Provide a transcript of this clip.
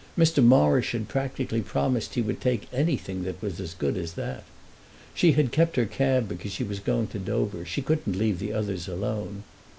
Mr. Morrish had practically promised he would take anything that was as good as that. She had kept her cab because she was going to Dover; she couldn't leave the others alone.